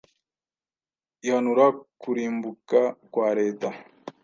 Ihanura kurimbuka kwa Leta.